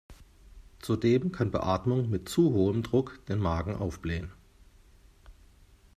Zudem kann Beatmung mit zu hohem Druck den Magen aufblähen.